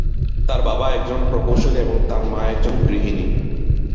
তার বাবা একজন প্রকৌশলী এবং তার মা একজন গৃহিণী।